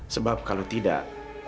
sebab kalau tidak